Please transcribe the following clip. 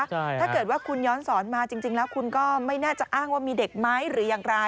ถ้าเกิดว่าคุณย้อนสอนมาจริงแล้วคุณก็ไม่น่าจะอ้างว่ามีเด็กไหมหรืออย่างไร